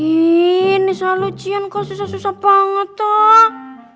ini selalu cian kok susah susah banget toh